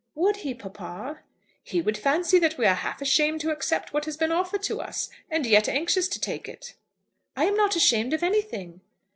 "Would he, papa?" "He would fancy that we are half ashamed to accept what has been offered to us, and yet anxious to take it." "I am not ashamed of anything."